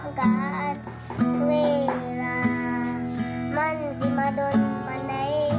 รู้สวรรค์เย็นไก่เหล่าทรงจากผู้พร้อมคนอื่นไก่